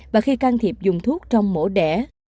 và khi can thiệp dùng thuốc trong mổ đẻ